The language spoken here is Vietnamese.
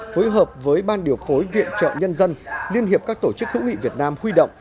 phối hợp với ban điều phối viện trợ nhân dân liên hiệp các tổ chức hữu nghị việt nam huy động